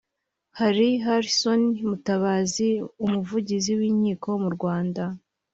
Hari Harisson Mutabazi umuvugizi w’inkiko mu Rwanda